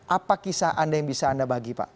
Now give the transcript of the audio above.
apa kisah anda yang bisa anda bagi pak